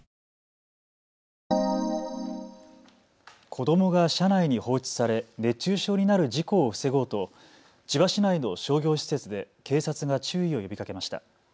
子どもが車内に放置され熱中症になる事故を防ごうと千葉市内の商業施設で警察が注意を呼びかけました。